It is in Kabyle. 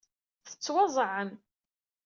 Tettwaẓẓɛem.